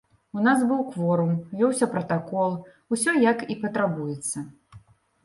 У нас быў кворум, вёўся пратакол, усё як і патрабуецца.